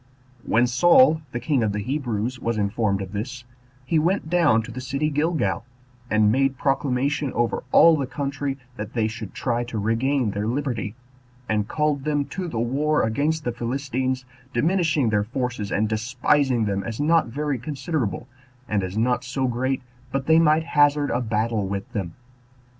When Saul, the king of the Hebrews, was informed of this, he went down to the city Gilgal, and made proclamation over all the country, that they should try to regain their liberty; and called them to the war against the Philistines, diminishing their forces, and despising them as not very considerable, and as not so great but they might hazard a battle with them.